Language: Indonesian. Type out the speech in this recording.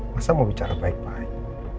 masa mau bicara baik baik